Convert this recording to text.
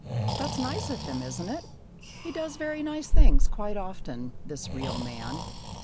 That's nice of him, isn't it? He does very nice things quite often, this real man.